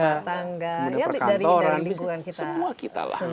kemudian perkantoran semua kita